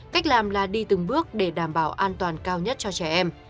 cách làm là đi từng bước để đảm bảo an toàn cao nhất cho trẻ em